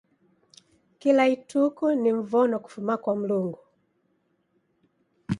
Kila ituku ni mvono kufuma kwa Mlungu.